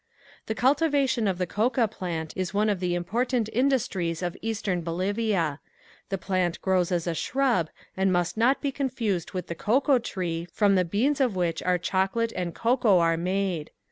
The cultivation of the coca plant is one of the important industries of eastern Bolivia. The plant grows as a shrub and must not be confused with the cocoa tree from the beans of which our chocolate and cocoa are made.